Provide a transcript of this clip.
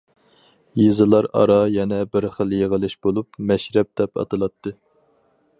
يېزىلار ئارا يەنە بىر خىل يىغىلىش بولۇپ« مەشرەپ» دەپ ئاتىلاتتى.